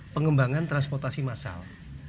pengembangan transportasi massal